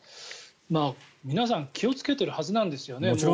皆さん気をつけているはずなんですよね